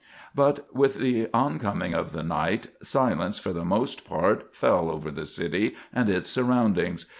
But with the oncoming of the night, silence, for the most part, fell over the city and its surroundings.